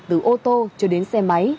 từ ô tô cho đến xe máy